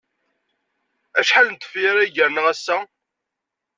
Acḥal n tefyar ay yerna ass-a?